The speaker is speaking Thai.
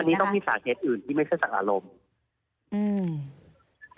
อันนี้ต้องมีสาเหตุอื่นที่ไม่ใช่จากอารมณ์อืม